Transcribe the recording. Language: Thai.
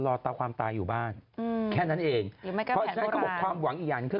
ตาความตายอยู่บ้านแค่นั้นเองเพราะฉะนั้นเขาบอกความหวังอีกอย่างคือ